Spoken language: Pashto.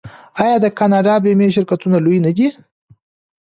آیا د کاناډا بیمې شرکتونه لوی نه دي؟